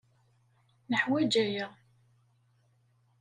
Neḥwaj aya.